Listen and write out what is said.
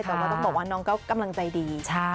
แต่ว่าต้องบอกว่าน้องก็กำลังใจดี